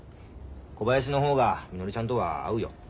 小林の方がみのりちゃんとは合うよ。